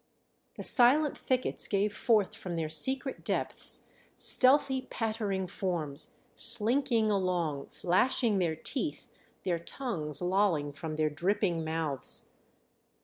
The silent thickets gave forth from their secret depths stealthy pattering forms, slinking along, flashing their teeth, their tongues lolling from their dripping mouths.